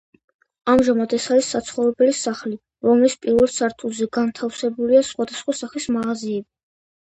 ამჟამად ეს არის საცხოვრებელი სახლი, რომლის პირველ სართულზე განთავსებულია სხვადასხვა სახის მაღაზიები.